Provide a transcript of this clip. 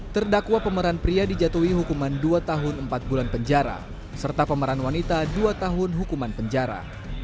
terdakwa pemeran pria dijatuhi hukuman dua tahun empat bulan penjara serta pemeran wanita dua tahun hukuman penjara